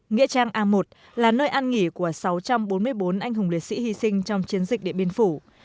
nghĩa trang a một là nơi an nghỉ của sáu trăm bốn mươi bốn anh hùng liệt sĩ hy sinh trong chiến dịch điện biên phủ